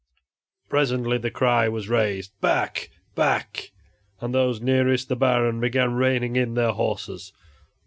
Presently the cry was raised, "Back! back!" And those nearest the Baron began reining in their horses.